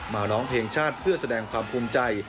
ร้องเพลงชาติเพื่อแสดงความภูมิใจ